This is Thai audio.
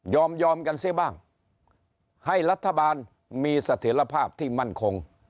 ยอมยอมกันซิบ้างให้รัฐบาลมีสถิรภาพที่มั่นคง